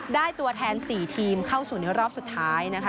ตัวแทน๔ทีมเข้าสู่ในรอบสุดท้ายนะคะ